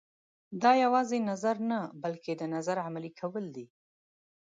دا یوازې نظر نه بلکې د نظر عملي کول دي.